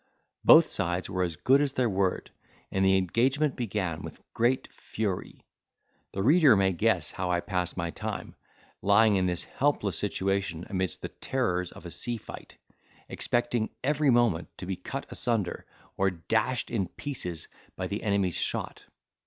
Both sides were as good as their word, and the engagement began with great fury. The reader may guess how I passed my time, lying in this helpless situation, amidst the terrors of a sea fight; expecting every moment to be cut asunder, or dashed in pieces by the enemy's shot!